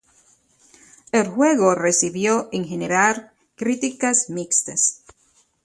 El juego recibió en general críticas mixtas.